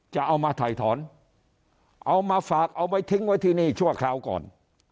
จะเอามาถ่ายถอนเอามาฝากเอาไว้ทิ้งไว้ที่นี่ชั่วคราวก่อน